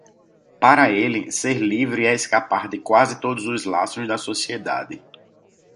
Para ele, ser livre é escapar de quase todos os laços da sociedade.